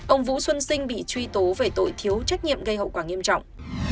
ông vũ xuân sinh bị truy tố về tội thiếu trách nhiệm gây hậu quả nghiêm trọng